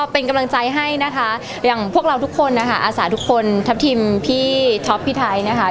เป็นกำลังใจให้นะคะอย่างพวกเราทุกคนนะคะอาสาทุกคนทัพทิมพี่ท็อปพี่ไทยนะคะ